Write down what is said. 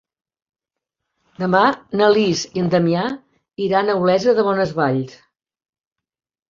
Demà na Lis i en Damià iran a Olesa de Bonesvalls.